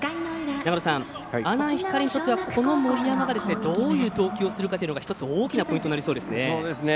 阿南光にとっては、この森山がどういう投球をするかというのが大きなポイントになりそうですね。